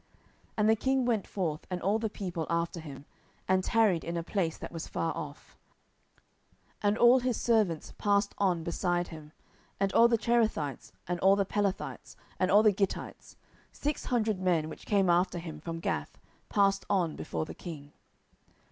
10:015:017 And the king went forth, and all the people after him, and tarried in a place that was far off. 10:015:018 And all his servants passed on beside him; and all the Cherethites, and all the Pelethites, and all the Gittites, six hundred men which came after him from Gath, passed on before the king.